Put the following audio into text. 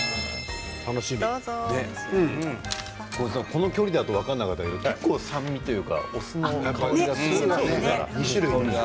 この距離だと分かんなかったけど結構、酸味というかお酢の香りがするね。